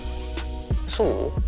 そう？